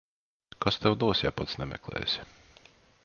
Kas tev dos, ja pats nemeklēsi.